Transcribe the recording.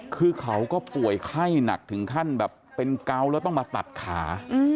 คือเขาก็ป่วยไข้หนักถึงขั้นแบบเป็นเกาแล้วต้องมาตัดขา